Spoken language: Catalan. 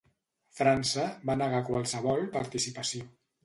França va negar qualsevol participació.